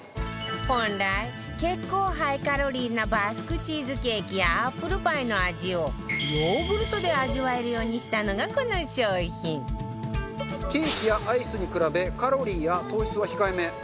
本来、結構ハイカロリーなバスクチーズケーキやアップルパイの味をヨーグルトで味わえるようにしたのがこの商品中丸：ケーキやアイスに比べカロリーや糖質は控えめ。